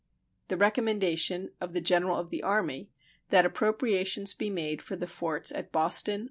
The recommendation of the General of the Army that appropriations be made for the forts at Boston.